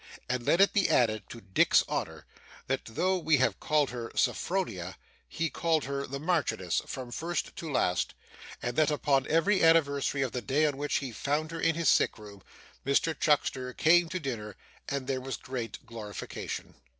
And let it be added, to Dick's honour, that, though we have called her Sophronia, he called her the Marchioness from first to last; and that upon every anniversary of the day on which he found her in his sick room, Mr Chuckster came to dinner, and there was great glorification.